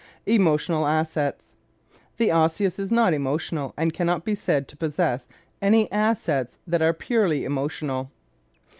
Emotional Assets ¶ The Osseous is not emotional and can not be said to possess any assets that are purely emotional.